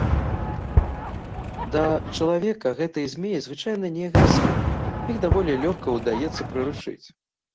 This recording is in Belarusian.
Да чалавека гэтыя змеі звычайна не агрэсіўныя, іх даволі лёгка ўдаецца прыручыць.